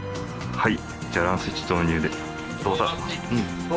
はい。